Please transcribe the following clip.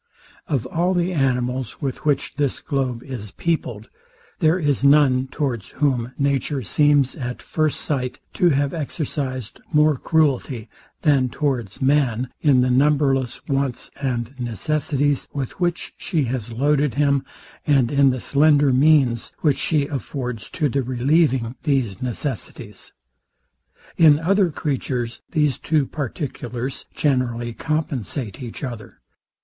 Of all the animals, with which this globe is peopled, there is none towards whom nature seems, at first sight, to have exercised more cruelty than towards man, in the numberless wants and necessities, with which she has loaded him, and in the slender means, which she affords to the relieving these necessities. In other creatures these two particulars generally compensate each other.